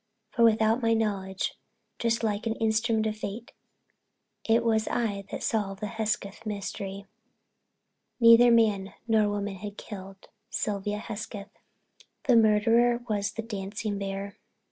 For without my knowledge, just like an instrument of fate, it was I that had solved the Hesketh mystery. Neither man nor woman had killed Sylvia Hesketh. The murderer was the dancing bear.